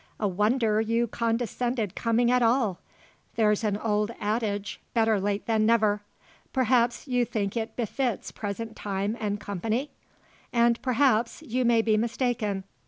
A wonder you condescended coming at all! There's an old adage `Better late than never.' Perhaps, you think it befits present time and company? And, perhaps, you may be mistaken.